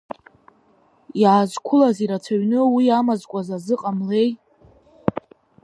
Иаазқәылаз ирацәаҩны уи амазкуаз азыҟамлеи!